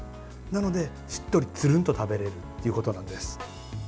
なので、しっとりつるんと食べられるということなんです。